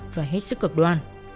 và hết sức cực đoan